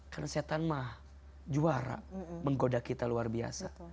karena setan mah juara menggoda kita luar biasa